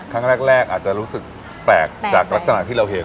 ครั้งแรกอาจจะรู้สึกแปลกจากลักษณะที่เราเห็น